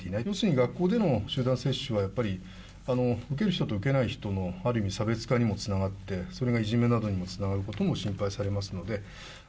学校での集団接種はやっぱり、受ける人と受けない人の、ある意味、差別化にもつながって、それがいじめなどにもつながることも心配されますので。